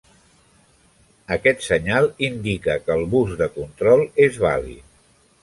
Aquest senyal indica que el bus de control és vàlid.